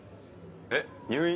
えっ入院？